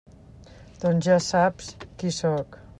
Doncs ja saps qui sóc.